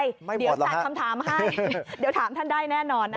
ไม่หมดหรอกฮะเดี๋ยวสั่งคำถามให้เดี๋ยวถามท่านได้แน่นอนนะครับ